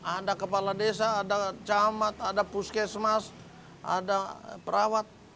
ada kepala desa ada camat ada puskesmas ada perawat